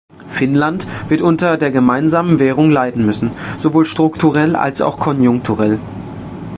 Finnland wird unter der gemeinsamen Währung leiden müssen, sowohl strukturell als auch konjunkturell.